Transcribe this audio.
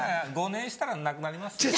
５年したらなくなりますよ。